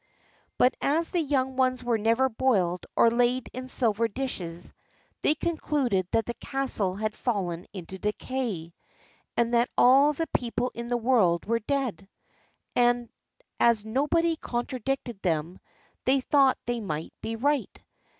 But as the young ones were never boiled or laid in silver dishes, they concluded that the castle had fallen into decay, and that all the people in the world were dead; and as nobody contradicted them, they thought they must be right.